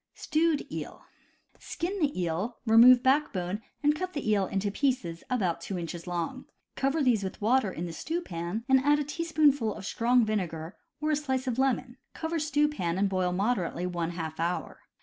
Stewed Eel. — Skin the eel, remove backbone and cut the eel into pieces about two inches long; cover these with water in the stew pan, and add a teaspoonful of strong vinegar or a slice of lemon, cover stew pan and boil moderately one half hour.